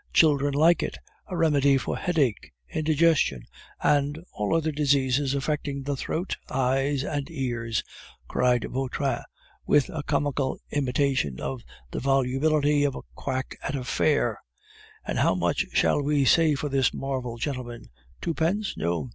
children like it! a remedy for headache, indigestion, and all other diseases affecting the throat, eyes, and ears!" cried Vautrin, with a comical imitation of the volubility of a quack at a fair. "And how much shall we say for this marvel, gentlemen? Twopence? No.